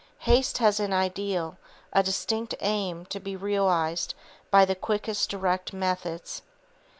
Haste has an ideal, a distinct aim to be realized by the quickest, direct methods.